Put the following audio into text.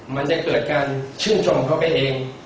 มันจะเกิดการชื่นชมเข้าไปเอง